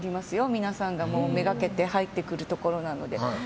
皆さんがめがけて入ってくるところなので。